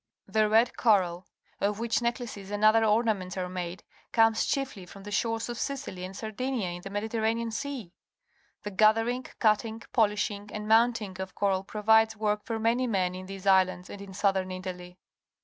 The red coral of which necklaces and other ornaments are made comes chiefly from the shores of Sicily and Sardima, in the ^lediterranean Sea. The gathering, cutting, polishing, and mounting of coral provides woi'k for many men in these islands and in southern Italy.